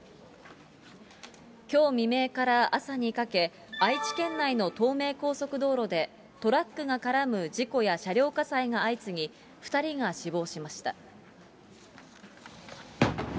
きょう未明から朝にかけ、愛知県内の東名高速道路で、トラックが絡む事故や車両火災が相次ぎ、２人が死亡しました。